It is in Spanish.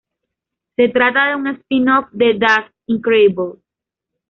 Se trata de un spin-off de "That's Incredible!".